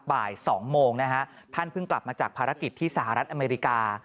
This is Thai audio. บ่าย๒โมงนะฮะท่านเพิ่งกลับมาจากภารกิจที่สหรัฐอเมริกา